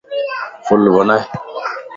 ڦل بنائي